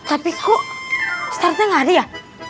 tapi kok ustadznya ga ada ya